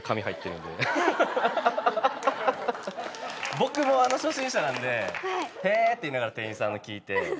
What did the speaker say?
僕も初心者なんで「へえ」って言いながら店員さんに聞いて。